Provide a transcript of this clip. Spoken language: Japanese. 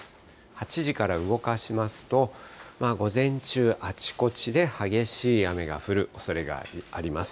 ８時から動かしますと、午前中、あちこちで激しい雨が降るおそれがあります。